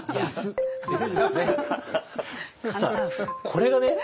これがね